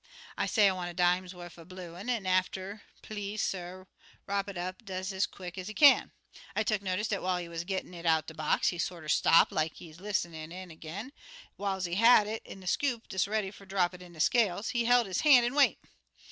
I say I want a dime's wuff er bluin', an' fer ter please, suh, wrop it up des ez quick ez he kin. I tuck notice dat while he wuz gittin' it out'n de box, he sorter stop like he lis'nin' an' den agin, whiles he had it in de scoop des ready fer ter drap it in de scales, he held his han' an' wait.